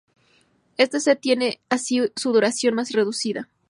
Este set tiene así una duración más reducida.